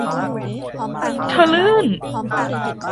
เธอลื่น